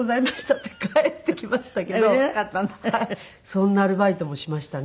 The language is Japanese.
そんなアルバイトもしましたね。